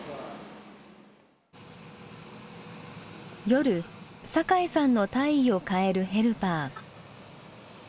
夜酒井さんの体位を変えるヘルパー。